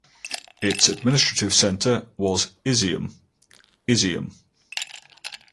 Its administrative centre was Izium (Izyum).